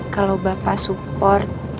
kalau bapak support